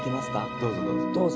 どうぞどうぞ。